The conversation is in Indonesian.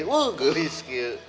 wuh gelis kira